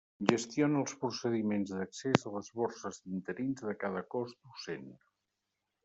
Gestiona els procediments d'accés a les borses d'interins de cada cos docent.